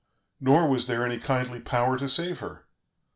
Nor was there any kindly power to save her.